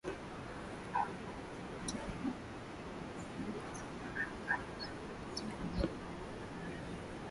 Mnyama huingiza bakteria hawa mwilini anapokula nyasi zilizo katika udongo wenye vimelea